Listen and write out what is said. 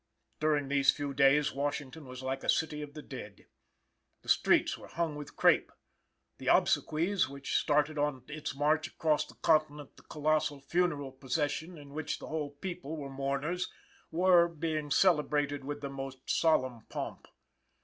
During these few days Washington was like a city of the dead. The streets were hung with crape. The obsequies, which started on its march across the continent the colossal funeral procession in which the whole people were mourners, were being celebrated with the most solemn pomp.